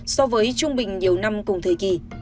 so với trung bình nhiều năm cùng thời kỳ